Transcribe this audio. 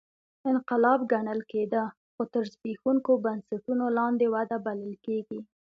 انقلاب ګڼل کېده خو تر زبېښونکو بنسټونو لاندې وده بلل کېږي